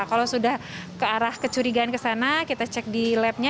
kalau sudah ke arah kecurigaan ke sana kita cek di labnya